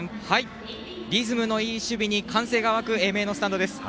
リズムのいい守備に歓声が沸く英明のスタンドです。